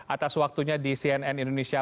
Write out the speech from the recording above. atas waktunya di cnn indonesia